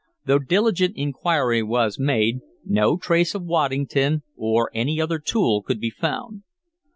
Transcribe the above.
Though diligent inquiry was made, no trace of Waddington, or any other tool, could be found.